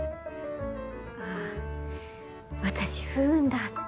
ああ私不運だって。